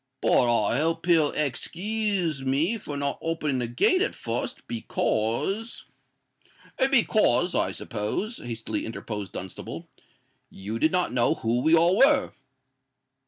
But I hope he'll ex kooze me for not opening the gate at fust, because——" "Because, I suppose," hastily interposed Dunstable, "you did not know who we all were."